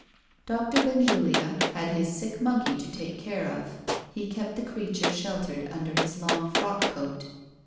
Doctor Benjulia had his sick monkey to take care of. He kept the creature sheltered under his long frock coat.